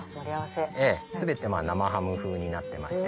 全て生ハム風になってまして。